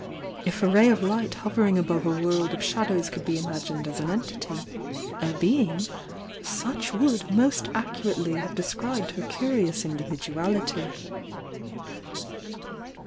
If a ray of light hovering above a world of shadows could be imagined as an entity, a bein^, such would most accurately have described her curi ous individuality.